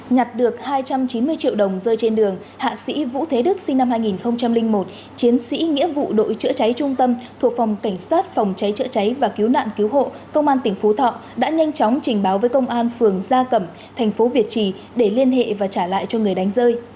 nhặt được hai trăm chín mươi triệu đồng rơi trên đường hạ sĩ vũ thế đức sinh năm hai nghìn một chiến sĩ nghĩa vụ đội chữa cháy trung tâm thuộc phòng cảnh sát phòng cháy chữa cháy và cứu nạn cứu hộ công an tỉnh phú thọ đã nhanh chóng trình báo với công an phường gia cẩm thành phố việt trì để liên hệ và trả lại cho người đánh rơi